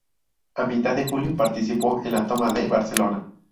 A mitad de julio participó en la toma de Barcelona.